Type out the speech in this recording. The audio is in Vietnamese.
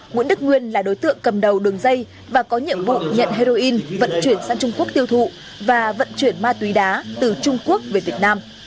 nguyễn đức nguyên là đối tượng cầm đầu đường dây và có nhiệm vụ nhận heroin vận chuyển sang trung quốc tiêu thụ và vận chuyển ma túy đá từ trung quốc về việt nam